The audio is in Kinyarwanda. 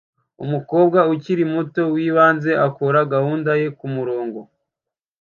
Umukobwa ukiri muto wibanze akora gahunda ye kumurongo